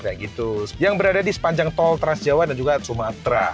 kayak gitu yang berada di sepanjang tol transjawa dan juga sumatera